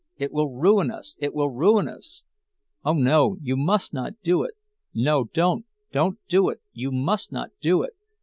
It will ruin us—it will ruin us! Oh, no, you must not do it! No, don't, don't do it. You must not do it!